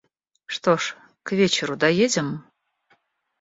Что ж, к вечеру доедем?